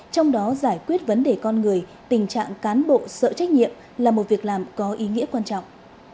trong đó giải quyết vấn đề con người tình trạng cán bộ sợ trách nhiệm là một việc làm có ý nghĩa quan trọng